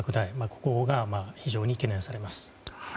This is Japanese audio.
ここが非常に懸念されます。